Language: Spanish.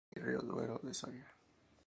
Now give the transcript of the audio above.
Voleibol Río Duero Soria.